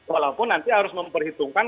walaupun nanti harus memperhitungkan